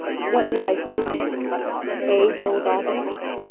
What life lead? eh, dull goggles?